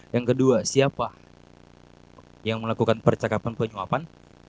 yang kedua siapa yang melakukan percakapan penyuapan